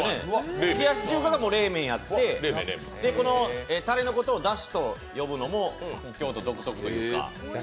冷やし中華屋が「れいめん」やってこのたれのことをだしと呼ぶのも京都独特というか。